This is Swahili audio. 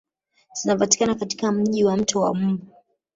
Zinapatikana katika Mji wa mto wa mbu